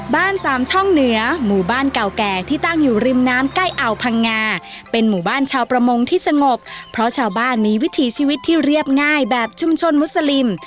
สามช่องเหนือหมู่บ้านเก่าแก่ที่ตั้งอยู่ริมน้ำใกล้อ่าวพังงาเป็นหมู่บ้านชาวประมงที่สงบเพราะชาวบ้านมีวิถีชีวิตที่เรียบง่ายแบบชุมชนมุสลิม